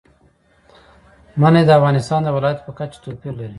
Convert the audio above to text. منی د افغانستان د ولایاتو په کچه توپیر لري.